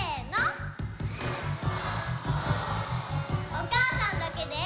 おかあさんだけで。